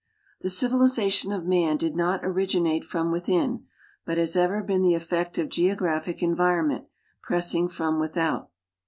The civilization of mail did not originate from witliin, bnt has ever been the effect of geograpliic environment, pressing from withont.